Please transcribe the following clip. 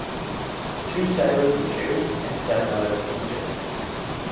Two sailors were killed and seven others injured.